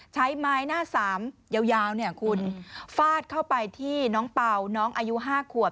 ใช้ไม้หน้าสามยาวเนี่ยคุณฟาดเข้าไปที่น้องเป่าน้องอายุ๕ขวบ